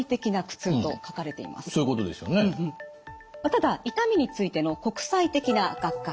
ただ痛みについての国際的な学会